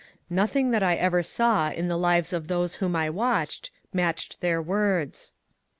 Nothing that I ever saw in the lives of those whom I watched matched their words."